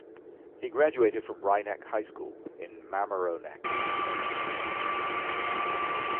He graduated from Rye Neck High School in Mamaroneck.